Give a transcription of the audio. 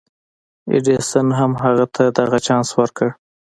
ايډېسن هم هغه ته دغه چانس ورکړ.